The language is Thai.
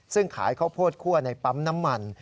ซึ่งขายข้าวโพดคั่วในปั๊มน้ำมัน